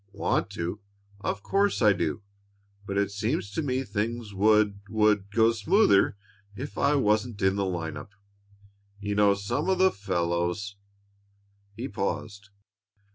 "Want to? Of course I do! But it seems to me things would would go smoother if I wasn't in the line up. You know some of the fellows " He paused.